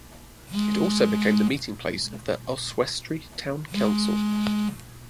It also became the meeting place of Oswestry Town Council.